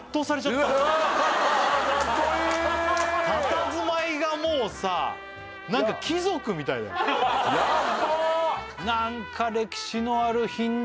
たたずまいがもうさなんか貴族みたいだよヤッバ！